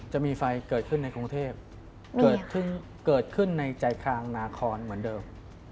จะมีไฟเกิดขึ้นในกรุงเทพเกิดขึ้นในใจคางนาคอนเหมือนเดิม